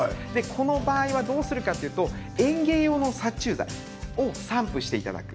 この場合はどうするかというと園芸用の殺虫剤を散布していただく。